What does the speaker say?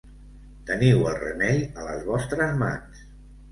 Teniu el remei a les vostres mans.